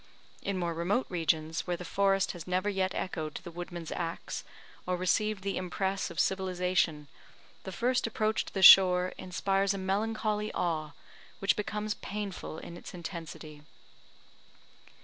In more remote regions, where the forest has never yet echoed to the woodman's axe, or received the impress of civilisation, the first approach to the shore inspires a melancholy awe, which becomes painful in its intensity.